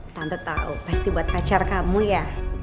tante tahu pasti buat pacar kamu ya